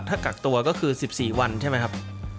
ถ้ากักตัวก็คือ๑๔วันใช่ไหมครับ